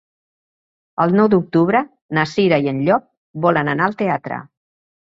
El nou d'octubre na Cira i en Llop volen anar al teatre.